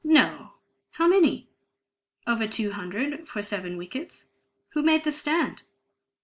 "No! How many?" "Over two hundred for seven wickets." "Who made the stand?"